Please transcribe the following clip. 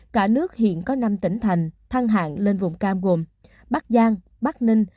cả nước hiện có năm tỉnh thành thăng hạng lên vùng cam gồm bắc giang bắc ninh